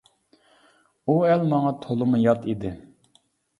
ئۇ ئەل ماڭا تولىمۇ يات ئىدى.